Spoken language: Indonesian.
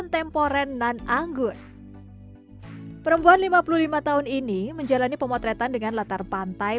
temporen nan anggun perempuan lima puluh lima tahun ini menjalani pemotretan dengan latar pantai